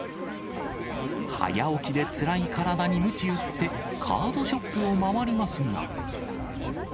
早起きでつらい体にむち打って、カードショップを回りますが。